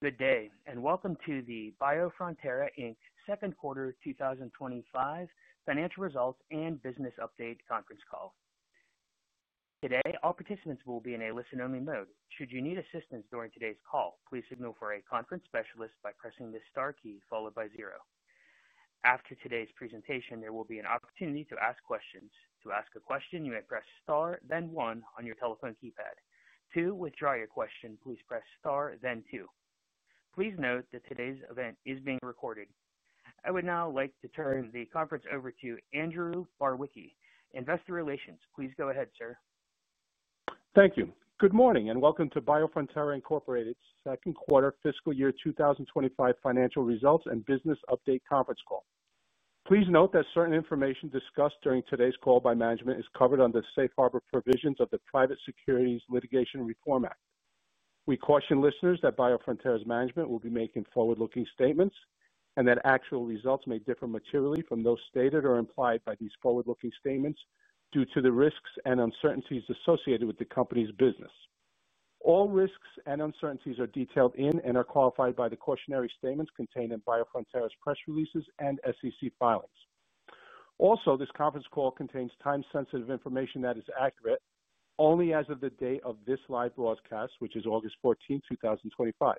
Good day, and welcome to the Biofrontera Inc. Second Quarter 2025 Financial Results and Business Update Conference Call. Today, all participants will be in a listen-only mode. Should you need assistance during today's call, please signal for a conference specialist by pressing the star key followed by zero. After today's presentation, there will be an opportunity to ask questions. To ask a question, you may press star, then one on your telephone keypad. To withdraw your question, please press star, then two. Please note that today's event is being recorded. I would now like to turn the conference over to Andrew Barwicki, Investor Relations. Please go ahead, sir. Thank you. Good morning and welcome to Biofrontera Inc.'s Second Quarter Fiscal Year 2025 Financial Results and Business Update Conference Call. Please note that certain information discussed during today's call by management is covered under the safe harbor provisions of the Private Securities Litigation Reform Act. We caution listeners that Biofrontera's management will be making forward-looking statements and that actual results may differ materially from those stated or implied by these forward-looking statements due to the risks and uncertainties associated with the company's business. All risks and uncertainties are detailed in and are qualified by the cautionary statements contained in Biofrontera's press releases and SEC filings. Also, this conference call contains time-sensitive information that is accurate only as of the day of this live broadcast, which is August 14th, 2025.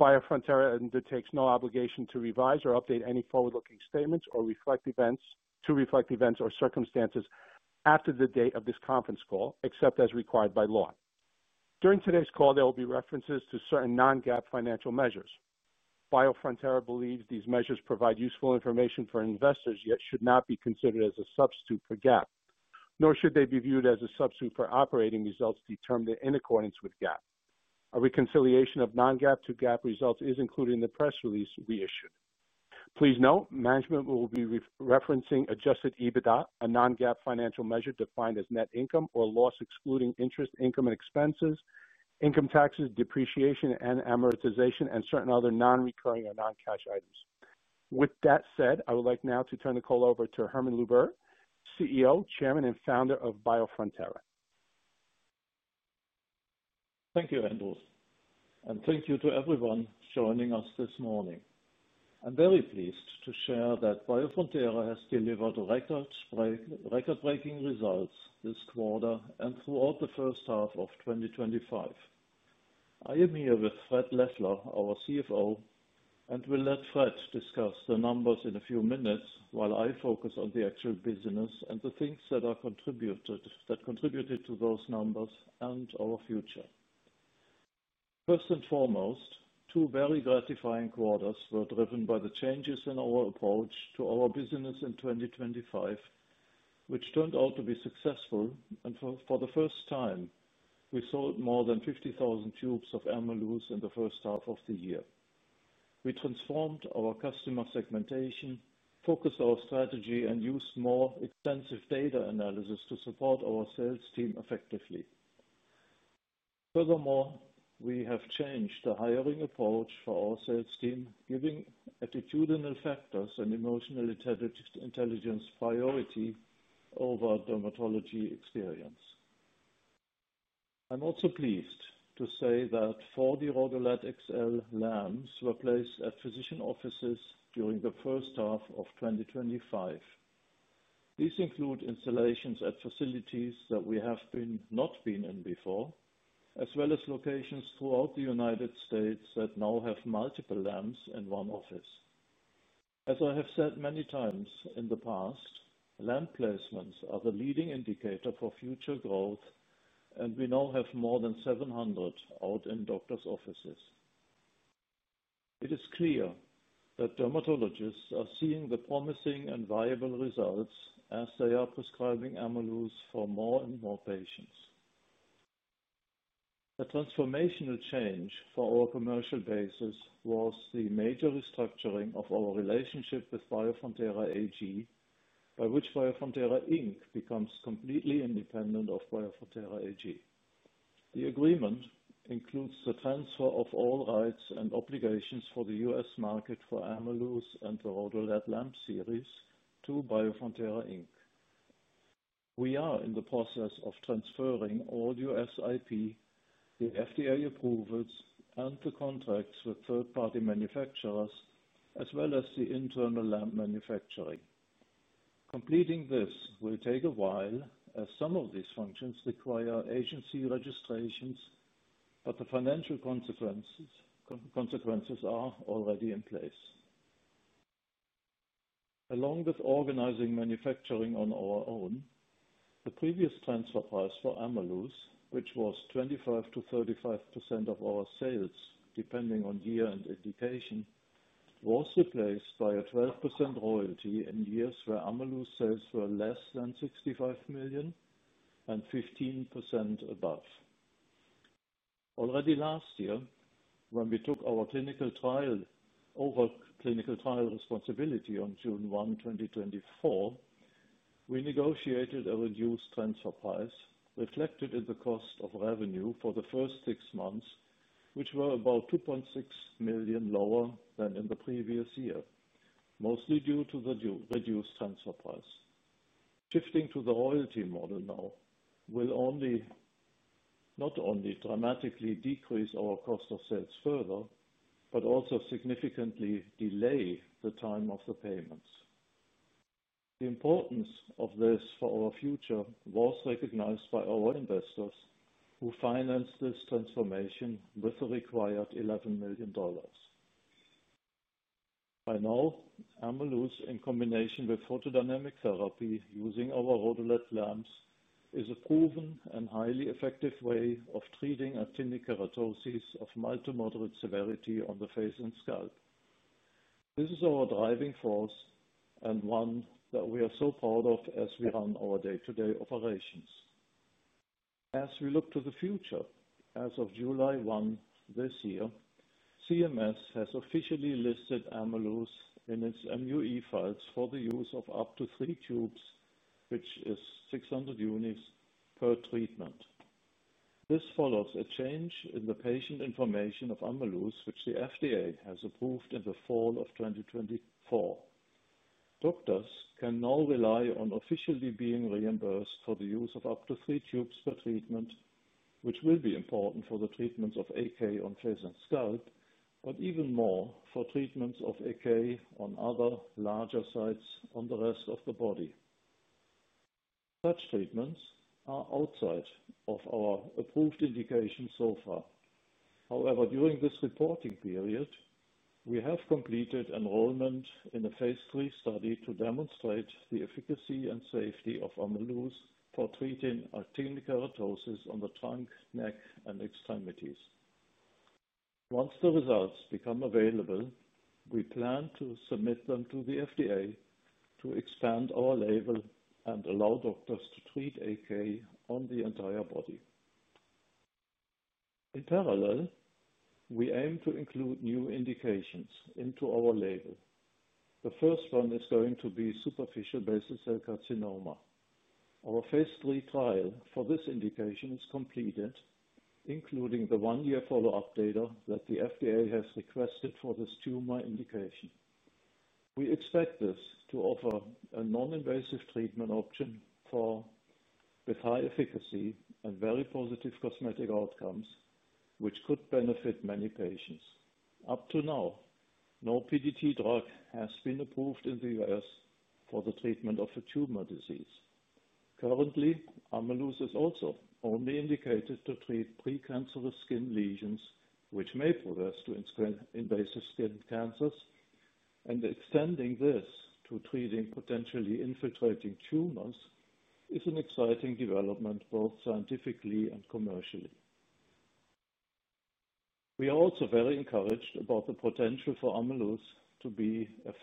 Biofrontera undertakes no obligation to revise or update any forward-looking statements or reflect events or circumstances after the date of this conference call, except as required by law. During today's call, there will be references to certain non-GAAP financial measures. Biofrontera believes these measures provide useful information for investors, yet should not be considered as a substitute for GAAP, nor should they be viewed as a substitute for operating results determined in accordance with GAAP. A reconciliation of non-GAAP to GAAP results is included in the press release we issued. Please note, management will be referencing adjusted EBITDA, a non-GAAP financial measure defined as net income or loss excluding interest, income, and expenses, income taxes, depreciation, and amortization, and certain other non-recurring or non-cash items. With that said, I would like now to turn the call over to Hermann Luebbert, CEO, Chairman, and Founder of Biofrontera Inc. Thank you, Andrew, and thank you to everyone joining us this morning. I'm very pleased to share that Biofrontera has delivered record-breaking results this quarter and throughout the first half of 2025. I am here with Fred Leffler, our CFO, and we'll let Fred discuss the numbers in a few minutes while I focus on the actual business and the things that contributed to those numbers and our future. First and foremost, two very gratifying quarters were driven by the changes in our approach to our business in 2025, which turned out to be successful, and for the first time, we sold more than 50,000 units of Ameluz in the first half of the year. We transformed our customer segmentation, focused our strategy, and used more extensive data analysis to support our sales team effectively. Furthermore, we have changed the hiring approach for our sales team, giving attitudinal factors and emotional intelligence priority over dermatology experience. I'm also pleased to say that 40 BF-RhodoLED XL lamps were placed at physician offices during the first half of 2025. These include installations at facilities that we have not been in before, as well as locations throughout the U.S. that now have multiple lamps in one office. As I have said many times in the past, lamp placements are the leading indicator for future growth, and we now have more than 700 out in doctors' offices. It is clear that dermatologists are seeing the promising and viable results as they are prescribing Ameluz for more and more patients. A transformational change for our commercial base was the major restructuring of our relationship with Biofrontera AG, by which Biofrontera Inc. becomes completely independent of Biofrontera AG. The agreement includes the transfer of all rights and obligations for the U.S. market for Ameluz and the BF-RhodoLED lamp series to Biofrontera Inc. We are in the process of transferring all U.S. IP, the FDA approvals, and the contracts with third-party manufacturers, as well as the internal lamp manufacturing. Completing this will take a while, as some of these functions require agency registrations, but the financial consequences are already in place. Along with organizing manufacturing on our own, the previous transfer price for Ameluz, which was 25%-35% of our sales depending on year and indication, was replaced by a 12% royalty in years where Ameluz sales were less than $65 million and 15% above. Already last year, when we took our clinical trial over clinical trial responsibility on June 1st, 2024, we negotiated a reduced transfer price reflected in the cost of revenue for the first six months, which were about $2.6 million lower than in the previous year, mostly due to the reduced transfer price. Shifting to the royalty model now will not only dramatically decrease our cost of sales further, but also significantly delay the time of the payments. The importance of this for our future was recognized by our investors, who financed this transformation with the required $11 million. By now, Ameluz, in combination with photodynamic therapy using our BF-RhodoLED lamps, is a proven and highly effective way of treating Actinic Keratosis of mild to moderate severity on the face and scalp. This is our driving force and one that we are so proud of as we run our day-to-day operations. As we look to the future, as of July 1st this year, CMS has officially listed Ameluz in its MUE files for the use of up to three tubes, which is 600 units per treatment. This follows a change in the patient information of Ameluz, which the FDA has approved in the fall of 2024. Doctors can now rely on officially being reimbursed for the use of up to three tubes per treatment, which will be important for the treatments of AK on face and scalp, but even more for treatments of AK on other larger sites on the rest of the body. Such treatments are outside of our approved indications so far. However, during this reporting period, we have completed enrollment in a phase III study to demonstrate the efficacy and safety of Ameluz for treating Actinic Keratosis on the trunk, neck, and extremities. Once the results become available, we plan to submit them to the FDA to expand our label and allow doctors to treat AK on the entire body. In parallel, we aim to include new indications into our label. The first one is going to be superficial basal cell carcinoma. Our phase III trial for this indication is completed, including the one-year follow-up data that the FDA has requested for this tumor indication. We expect this to offer a non-invasive treatment option with high efficacy and very positive cosmetic outcomes, which could benefit many patients. Up to now, no PDT drug has been approved in the U.S. for the treatment of a tumor disease. Currently, Ameluz is also only indicated to treat precancerous skin lesions, which may progress to invasive skin cancers, and extending this to treating potentially infiltrating tumors is an exciting development both scientifically and commercially. We are also very encouraged about the potential for Ameluz to be an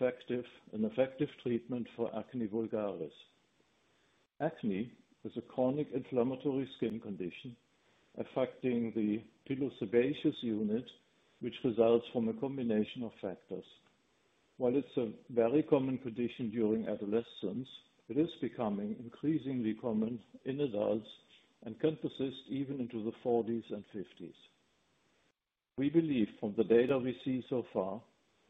effective treatment for acne vulgaris. Acne is a chronic inflammatory skin condition affecting the pilosebaceous unit, which results from a combination of factors. While it's a very common condition during adolescence, it is becoming increasingly common in adults and can persist even into the 40s and 50s. We believe, from the data we see so far,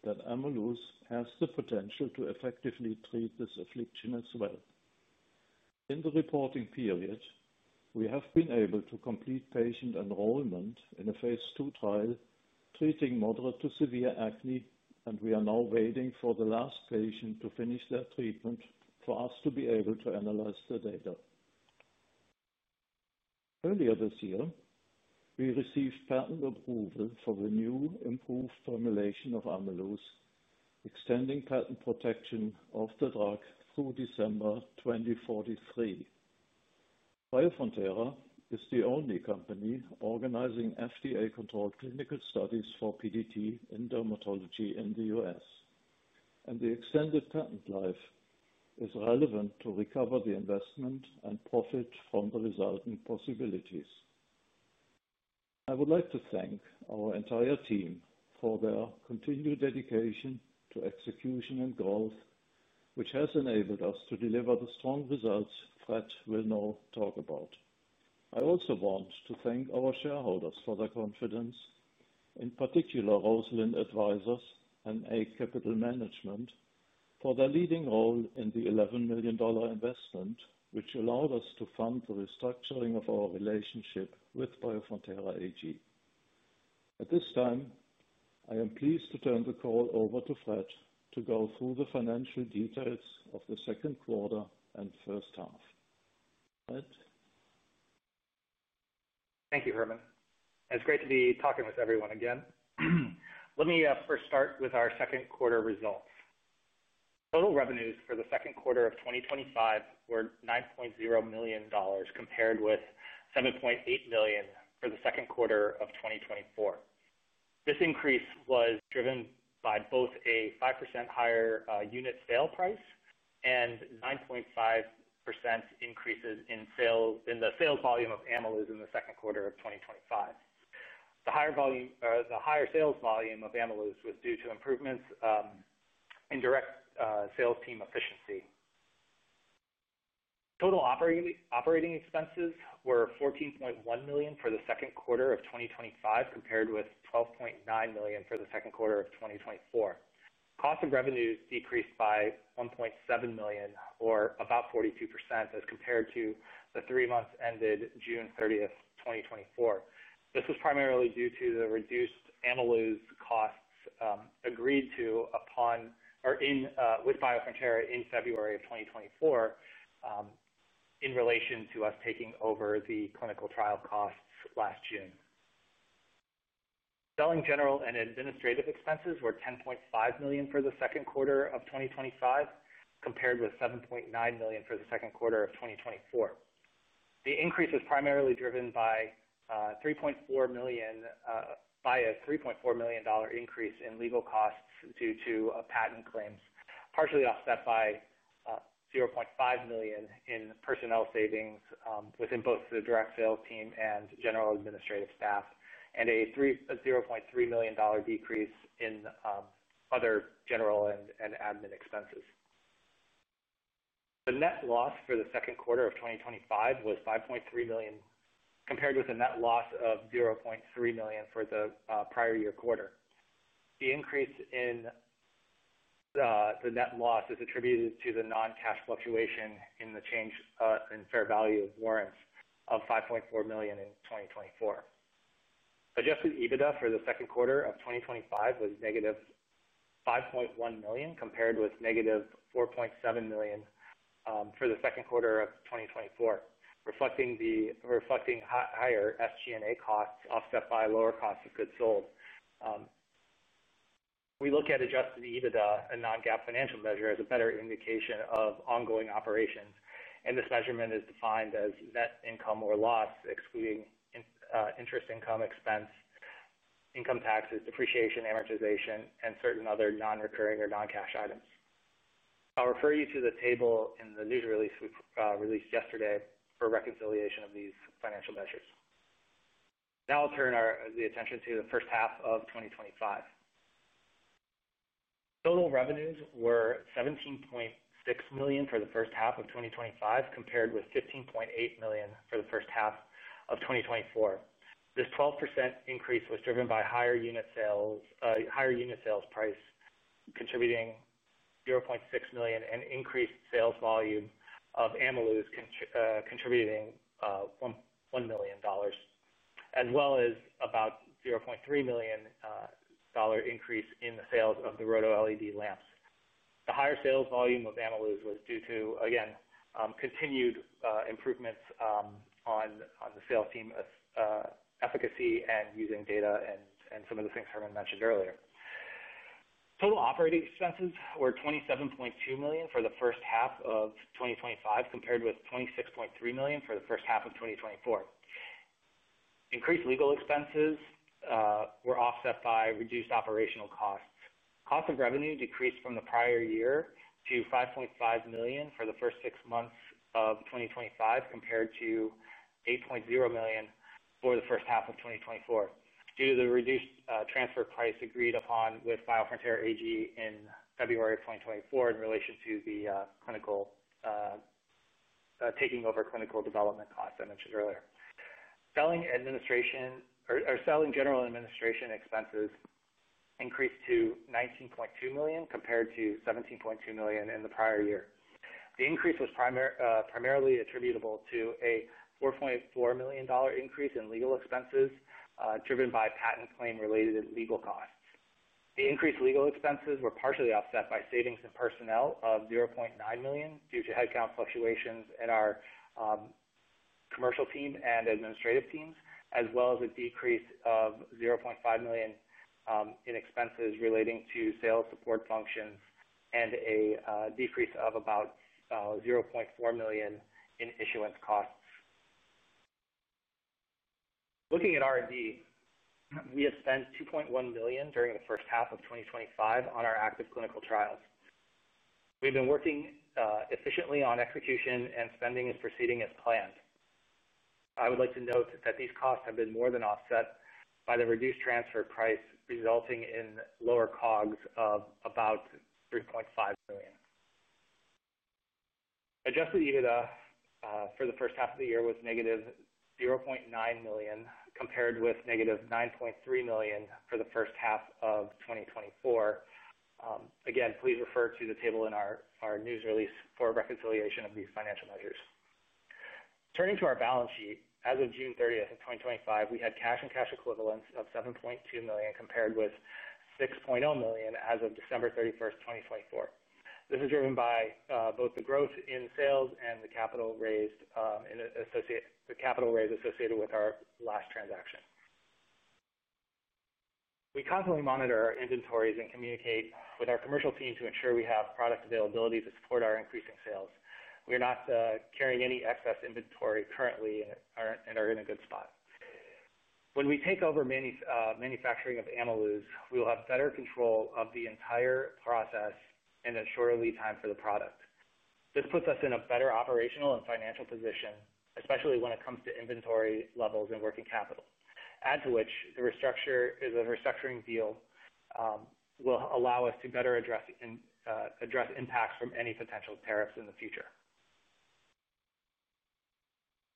that Ameluz has the potential to effectively treat this affliction as well. In the reporting period, we have been able to complete patient enrollment in a phase II trial treating moderate to severe acne, and we are now waiting for the last patient to finish their treatment for us to be able to analyze the data. Earlier this year, we received patent approval for the new improved formulation of Ameluz, extending patent protection of the drug through December 2043. Biofrontera Inc. is the only company organizing FDA-controlled clinical studies for PDT in dermatology in the U.S., and the extended patent life is relevant to recover the investment and profit from the resulting possibilities. I would like to thank our entire team for their continued dedication to execution and growth, which has enabled us to deliver the strong results Fred will now talk about. I also want to thank our shareholders for their confidence, in particular Rosalind Advisors and AIGH Capital Management, for their leading role in the $11 million investment, which allowed us to fund the restructuring of our relationship with Biofrontera AG. At this time, I am pleased to turn the call over to Fred to go through the financial details of the second quarter and first half. Fred? Thank you, Hermann. It's great to be talking with everyone again. Let me first start with our second quarter results. Total revenues for the second quarter of 2025 were $9.0 million, compared with $7.8 million for the second quarter of 2024. This increase was driven by both a 5% higher unit sale price and 9.5% increases in the sale volume of Ameluz in the second quarter of 2025. The higher sales volume of Ameluz was due to improvements in direct sales team efficiency. Total operating expenses were $14.1 million for the second quarter of 2025, compared with $12.9 million for the second quarter of 2024. Cost of revenues decreased by $1.7 million, or about 42%, as compared to the three months ended June 30th, 2024. This was primarily due to the reduced Ameluz costs agreed to upon or with Biofrontera AG in February of 2024, in relation to us taking over the clinical trial costs last June. Selling, general and administrative expenses were $10.5 million for the second quarter of 2025, compared with $7.9 million for the second quarter of 2024. The increase was primarily driven by a $3.4 million increase in legal costs due to patent claims, partially offset by $0.5 million in personnel savings within both the direct sales team and general administrative staff, and a $3.3 million decrease in other general and admin expenses. The net loss for the second quarter of 2025 was $5.3 million, compared with a net loss of $0.3 million for the prior year quarter. The increase in the net loss is attributed to the non-cash fluctuation in the change in fair value of warrants of $5.4 million in 2024. Adjusted EBITDA for the second quarter of 2025 was negative $5.1 million, compared with -$4.7 million for the second quarter of 2024, reflecting higher SG&A costs offset by lower cost of goods sold. We look at adjusted EBITDA, a non-GAAP financial measure, as a better indication of ongoing operations, and this measurement is defined as net income or loss, excluding interest income, expense, income taxes, depreciation, amortization, and certain other non-recurring or non-cash items. I'll refer you to the table in the news release we released yesterday for reconciliation of these financial measures. Now I'll turn the attention to the first half of 2025. Total revenues were $17.6 million for the first half of 2025, compared with $15.8 million for the first half of 2024. This 12% increase was driven by higher unit sales price, contributing $0.6 million, and increased sales volume of Ameluz, contributing $1 million, as well as about a $0.3 million increase in the sales of the BF-RhodoLED lamps. The higher sales volume of Ameluz was due to, again, continued improvements on the sales team efficacy and using data and some of the things Hermann mentioned earlier. Total operating expenses were $27.2 million for the first half of 2025, compared with $26.3 million for the first half of 2024. Increased legal expenses were offset by reduced operational costs. Cost of revenue decreased from the prior year to $5.5 million for the first six months of 2025, compared to $8.0 million for the first half of 2024, due to the reduced transfer price agreed upon with Biofrontera AG in February of 2024 in relation to taking over clinical development costs I mentioned earlier. Selling, general, and administration expenses increased to $19.2 million compared to $17.2 million in the prior year. The increase was primarily attributable to a $4.4 million increase in legal expenses driven by patent claim-related legal costs. The increased legal expenses were partially offset by savings in personnel of $0.9 million due to headcount fluctuations in our commercial team and administrative teams, as well as a decrease of $0.5 million in expenses relating to sales support functions and a decrease of about $0.4 million in issuance costs. Looking at R&D, we have spent $2.1 million during the first half of 2025 on our active clinical trials. We've been working efficiently on execution, and spending is proceeding as planned. I would like to note that these costs have been more than offset by the reduced transfer price, resulting in lower cost of goods sold of about $3.5 million. Adjusted EBITDA for the first half of the year was negative $0.9 million compared with negative $9.3 million for the first half of 2024. Again, please refer to the table in our news release for reconciliation of these financial measures. Turning to our balance sheet, as of June 30th, 2025, we had cash and cash equivalents of $7.2 million compared with $6.0 million as of December 31st, 2024. This is driven by both the growth in sales and the capital raised associated with our last transaction. We constantly monitor our inventories and communicate with our commercial team to ensure we have product availability to support our increasing sales. We are not carrying any excess inventory currently and are in a good spot. When we take over manufacturing of Ameluz, we will have better control of the entire process and a shorter lead time for the product. This puts us in a better operational and financial position, especially when it comes to inventory levels and working capital, add to which the restructuring deal will allow us to better address impacts from any potential tariffs in the future.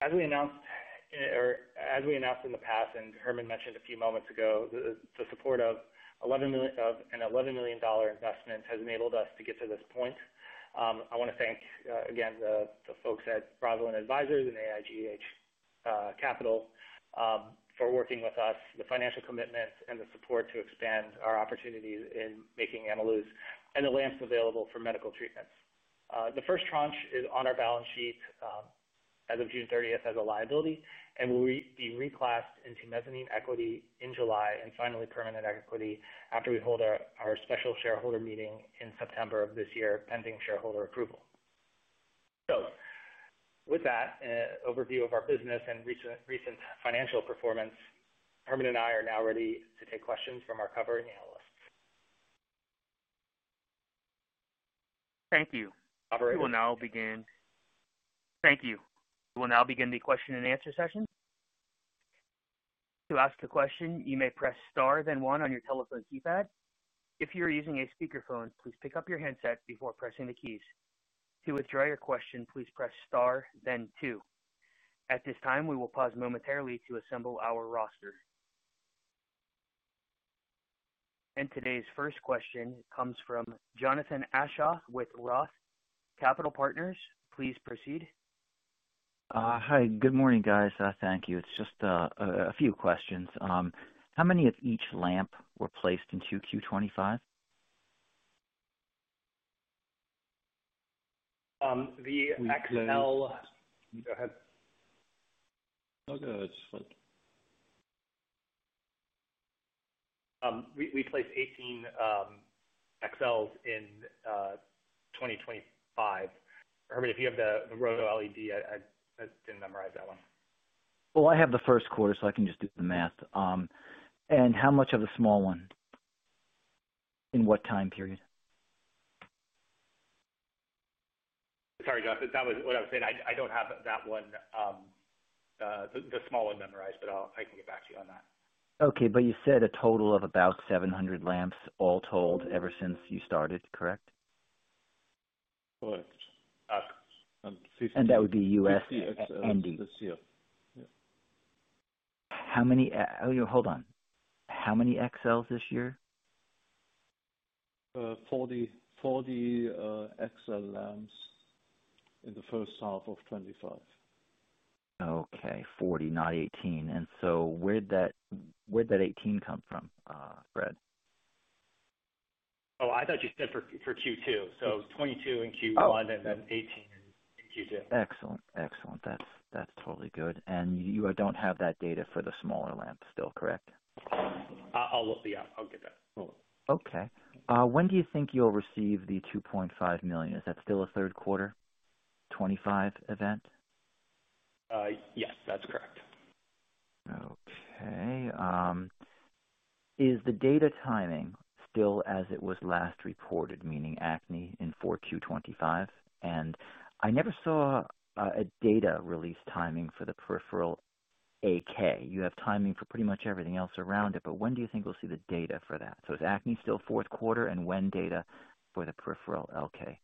As we announced in the past, and Hermann mentioned a few moments ago, the support of an $11 million investment has enabled us to get to this point. I want to thank again the folks at Rosalind Advisors and AIGH Capital Management for working with us, the financial commitment, and the support to expand our opportunities in making Ameluz and the lamps available for medical treatments. The first tranche is on our balance sheet as of June 30 as a liability, and will be reclassed into mezzanine equity in July, and finally permanent equity after we hold our special shareholder meeting in September of this year, pending shareholder approval. With that overview of our business and recent financial performance, Hermann and I are now ready to take questions from our covering analysts. Thank you. We will now begin. Thank you. We will now begin the question-and-answer session. To ask a question, you may press star, then one on your telephone keypad. If you are using a speakerphone, please pick up your headset before pressing the keys. To withdraw your question, please press star, then two. At this time, we will pause momentarily to assemble our roster. And today's first question comes from Jonathan Aschoff with ROTH Capital Partners. Please proceed. Hi. Good morning, guys. Thank you. It's just a few questions. How many of each lamp were placed into Q2 2025? We placed the XL. Go ahead. No, go ahead. We placed 18 XLs in 2025. Hermann, if you have the BF-RhodoLED, I just didn't memorize that one. I have the first quarter, so I can just do the math. How much of the small one? In what time period? Sorry, John. That was what I was saying. I don't have that one, the small one memorized, but I can get back to you on that. Okay. You said a total of about 700 lamps all told ever since you started, correct? Correct. That would be U.S. this year. How many XLs this year? 40 XL lamps in the first half of 2025. Okay. 40, not 18. Where did that eighteen come from, Fred? I thought you said for Q2. 22 in Q1 and 18 in Q2. Excellent. That's totally good. You don't have that data for the smaller lamp still, correct? Yeah, I'll get that. Okay. When do you think you'll receive the $2.5 million? Is that still a third quarter 2025 event? Yes, that's correct. Okay. Is the data timing still as it was last reported, meaning acne in Q2 2025, and I never saw a data release timing for the peripheral AK. You have timing for pretty much everything else around it, but when do you think we'll see the data for that? Is acne still fourth quarter and when data for the peripheral AK?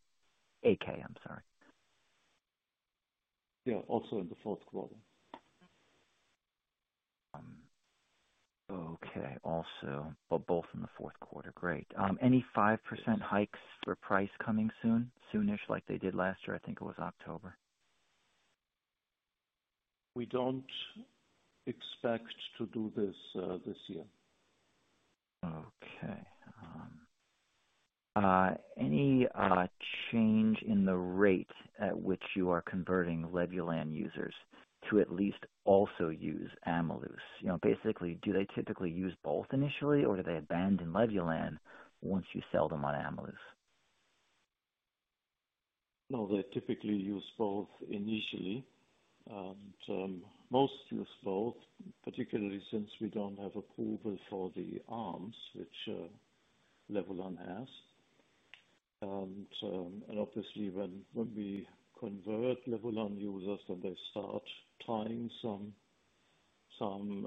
I'm sorry. Yeah, also in the fourth quarter. Okay. Also, both in the fourth quarter. Great. Any 5% hikes for price coming soon? Soonish like they did last year, I think it was October. We don't expect to do this this year. Okay. Any change in the rate at which you are converting Levulan users to at least also use Ameluz? Basically, do they typically use both initially, or do they abandon Levulan once you sell them on Ameluz? No, they typically use both initially. Most use both, particularly since we don't have approval for the arms, which Levulan has. Obviously, when we convert Levulan users and they start trying some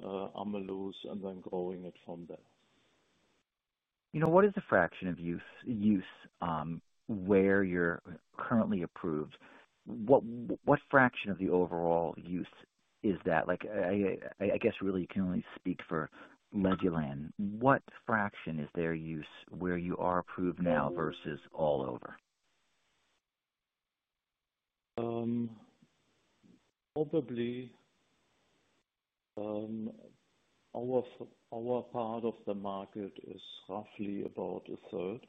Ameluz and then growing it from there. You know. What is the fraction of use where you're currently approved? What fraction of the overall use is that? I guess really you can only speak for Levulan. What fraction is their use where you are approved now versus all over? Probably our part of the market is roughly about 1/3.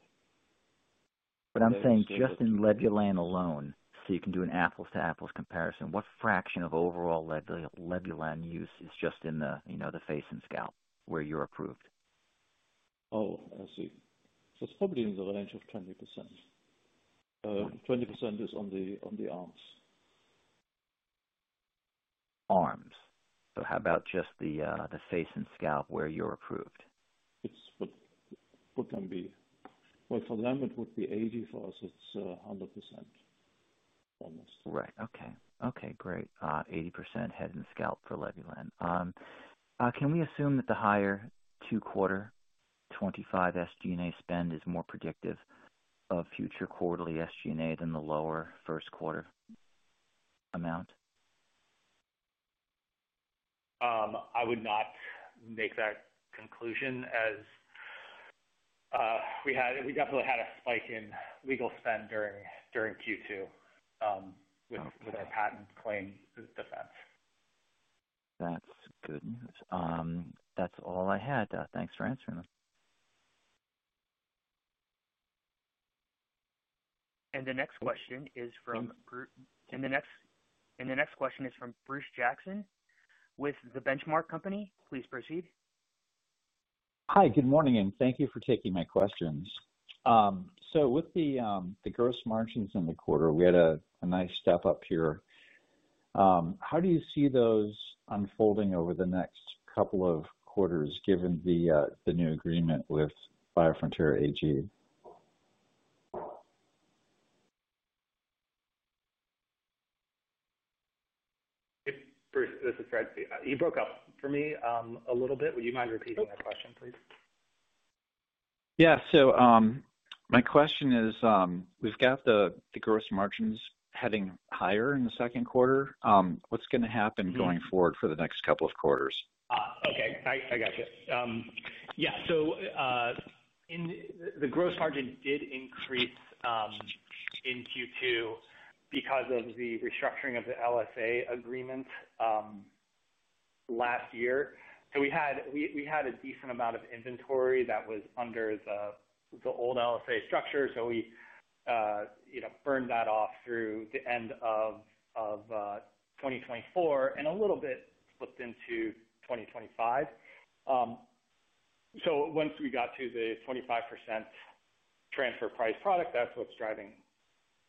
What I'm saying just in Levulan alone, so you can do an apples-to-apples comparison, what fraction of overall Levulan use is just in the, you know, the face and scalp where you're approved? Oh, I see. It's probably in the range of 20%. 20% is on the arms. Arms? How about just the face and scalp where you're approved? For them, it would be 80%. For us, it's 100%, almost. Right. Okay. Okay. Great. 80% head and scalp for Levulan. Can we assume that the higher two-quarter 2025 SG&A spend is more predictive of future quarterly SG&A than the lower first quarter amount? I would not make that conclusion as we definitely had a spike in legal spend during Q2 with our patent claim defense. That's good news. That's all I had. Thanks for answering them. And the next question is from Bruce Jackson with The Benchmark Company. Please proceed. Hi. Good morning, and thank you for taking my questions. So, with the gross margins in the quarter, we had a nice step up here. How do you see those unfolding over the next couple of quarters given the new agreement with Biofrontera AG? Bruce, this is Fred. You broke up for me a little bit. Would you mind repeating that question, please? Yeah. So, my question is, we've got the gross margins heading higher in the second quarter. What's going to happen going forward for the next couple of quarters? Okay. I got you. Yeah. The gross margin did increase in Q2 because of the restructuring of the LSA agreement last year. We had a decent amount of inventory that was under the old LSA structure. We burned that off through the end of 2024 and a little bit flipped into 2025. Once we got to the 25% transfer price product, that's what's driving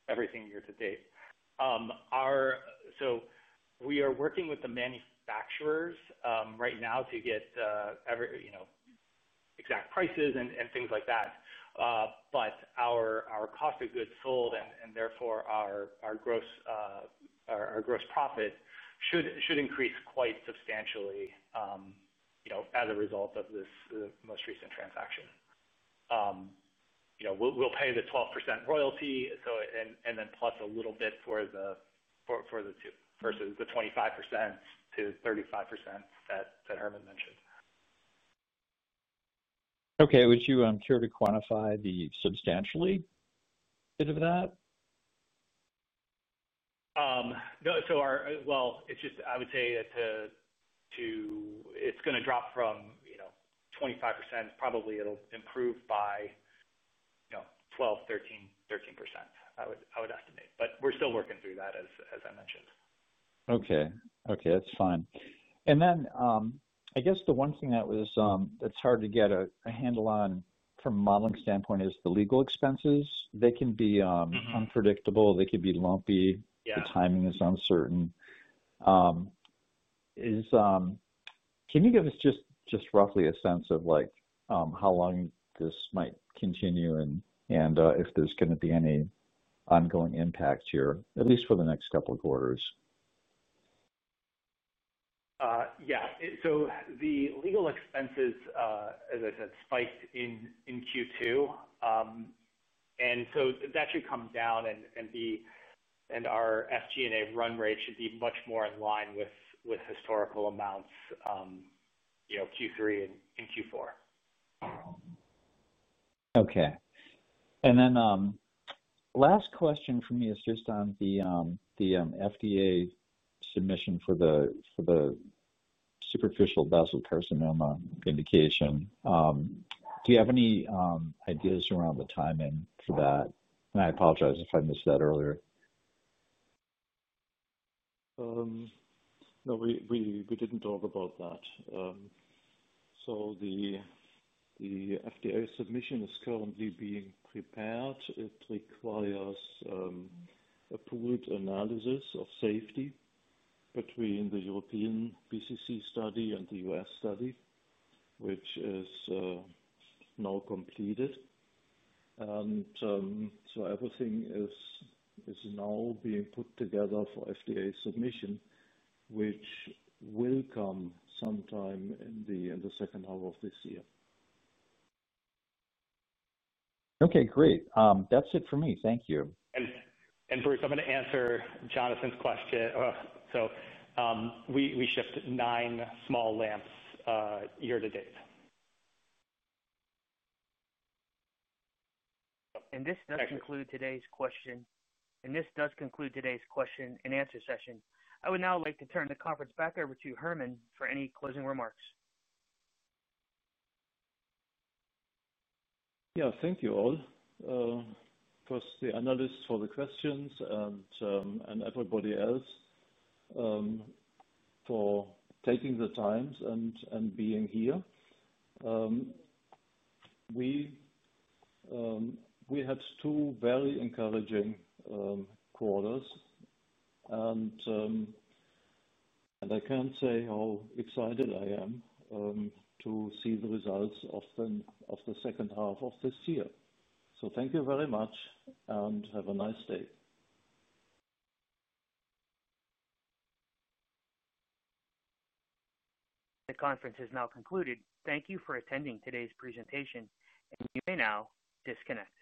everything year-to-date. We are working with the manufacturers right now to get exact prices and things like that. Our cost of goods sold and therefore our gross profit should increase quite substantially as a result of this most recent transaction. We'll pay the 12% royalty, and then plus a little bit for the 25%-35% that Hermann mentioned. Okay. Would you care to quantify the substantial bit of that? No, it's just I would say that it's going to drop from, you know, 25%. Probably it'll improve by, you know, 12%, 13%, 13% I would estimate. We're still working through that, as I mentioned. Okay. That's fine. I guess the one thing that's hard to get a handle on from a modeling standpoint is the legal expenses. They can be unpredictable. They can be lumpy. The timing is uncertain. Can you give us just roughly a sense of how long this might continue and if there's going to be any ongoing impact here, at least for the next couple of quarters? Yeah. The legal expenses, as I said, spiked in Q2. That should come down, and our SG&A run rate should be much more in line with historical amounts, you know, Q3 and Q4. Okay. Last question for me is just on the FDA submission for the superficial basal cell carcinoma indication. Do you have any ideas around the timing for that? I apologize if I missed that earlier. No, we didn't talk about that. The FDA submission is currently being prepared. It requires a pooled analysis of safety between the European basal cell carcinoma study and the U.S. study, which is now completed. Everything is now being put together for FDA submission, which will come sometime in the second half of this year. Okay. Great. That's it for me. Thank you. And Bruce, I'm going to answer Jonathan's question. We shipped nine small lamps year-to-date. This does conclude today's question-and-answer session. I would now like to turn the conference back over to Hermann for any closing remarks. Thank you all. First, the analysts for the questions and everybody else for taking the time and being here. We had two very encouraging quarters, and I can't say how excited I am to see the results of the second half of this year. Thank you very much and have a nice day. The conference is now concluded. Thank you for attending today's presentation. You may now disconnect.